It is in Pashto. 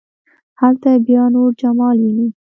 هلته بیا نور جمال ويني.